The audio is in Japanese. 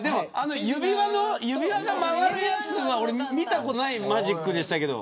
指輪が回るやつは俺、見たことがないマジックでしたけど。